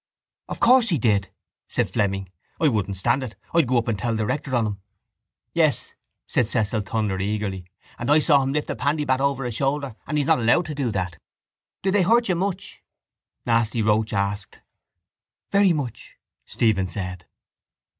—Of course he did! said Fleming. I wouldn't stand it. I'd go up and tell the rector on him. —Yes, said Cecil Thunder eagerly, and I saw him lift the pandybat over his shoulder and he's not allowed to do that. —Did they hurt you much? Nasty Roche asked. —Very much, Stephen said.